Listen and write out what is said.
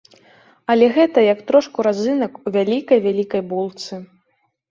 Але гэта як трошку разынак у вялікай-вялікай булцы.